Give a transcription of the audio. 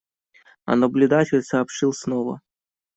А наблюдатель сообщил снова.